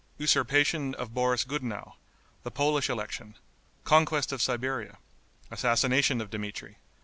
Usurpation of Boris Gudenow. The Polish Election. Conquest of Siberia. Assassination of Dmitri.